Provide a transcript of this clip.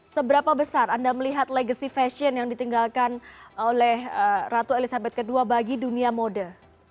seberapa besar anda melihat legacy fashion yang ditinggalkan oleh ratu elizabeth ii bagi dunia mode